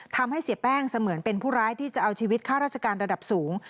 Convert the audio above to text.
ทำให้เสียแป้งเสมือนเป็นผู้ร้ายที่จะเอาชีวิตค่าราชการระดับสูง